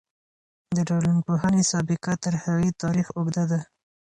د ټولنپوهنې سابقه تر هغې تاريخ اوږده ده.